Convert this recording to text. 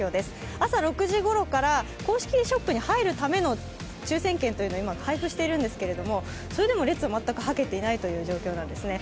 朝６時ごろから公式ショップに入るための抽選券を今配布しているんですがそれでも列、全くはけていないという状況なんですね。